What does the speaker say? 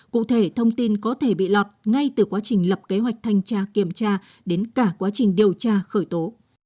cụ thể thông tin có thể bị lọt ngay từ quá trình lập kế hoạch thanh tra kiểm tra đến cả quá trình điều tra khởi tố